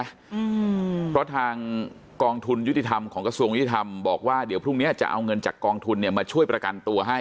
อืมเพราะทางกองทุนยุติธรรมของกระทรวงยุติธรรมบอกว่าเดี๋ยวพรุ่งเนี้ยจะเอาเงินจากกองทุนเนี้ยมาช่วยประกันตัวให้